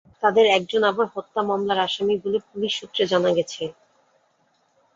তাঁদের একজন আবার হত্যা মামলার আসামি বলে পুলিশ সূত্রে জানা গেছে।